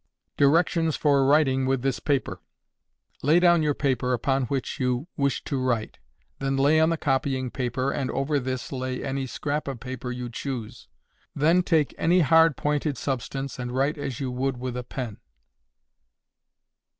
Directions for writing with this paper: Lay down your paper upon which you wish to write; then lay on the copying paper, and over this lay any scrap of paper you choose; then take any hard pointed substance and write as you would with a pen.